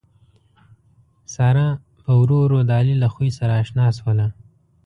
ساره پّ ورو ورو د علي له خوي سره اشنا شوله